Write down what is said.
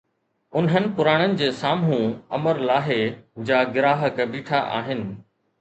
انهن پراڻن جي سامهون امرلاهي جا گراهڪ بيٺا آهن